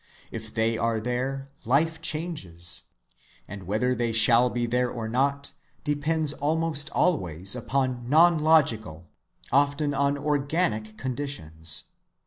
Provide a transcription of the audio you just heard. If they are there, life changes. And whether they shall be there or not depends almost always upon non‐logical, often on organic conditions.